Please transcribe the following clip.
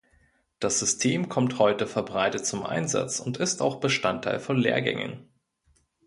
Das System kommt heute verbreitet zum Einsatz und ist auch Bestandteil von Lehrgängen.